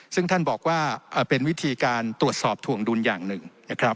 ซึ่งท่านบอกว่าเป็นวิธีการตรวจสอบถวงดุลอย่างหนึ่งนะครับ